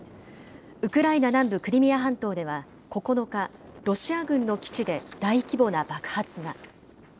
ウクライナ南部クリミア半島では９日、ロシア軍の基地で大規模な爆発が。